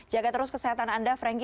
jaga terus kesehatan anda franky